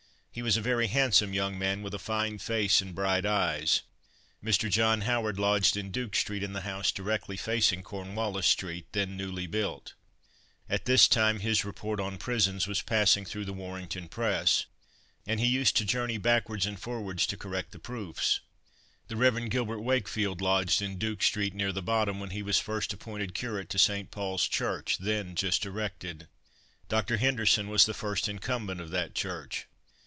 He was a very handsome young man, with a fine face and bright eyes. Mr. John Howard lodged in Duke street in the house directly facing Cornwallis street, then newly built. At this time his "Report on Prisons" was passing through the Warrington Press; and he used to journey backwards and forwards to correct the proofs. The Rev. Gilbert Wakefield lodged in Duke street, near the bottom, when he was first appointed curate to St. Paul's church, then just erected. Dr. Henderson was the first incumbent of that church.